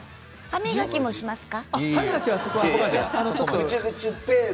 歯磨きもしますか？